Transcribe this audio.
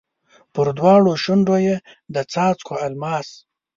پر دواړو شونډو یې د څاڅکو الماس